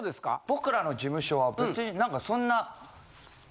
僕らの事務所は別に何かそんな。